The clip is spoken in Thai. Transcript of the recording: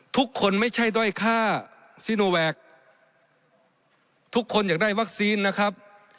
ทุกคนไม่ใช่ด้อยค่าซีโนแวคทุกคนอยากได้วัคซีนนะครับ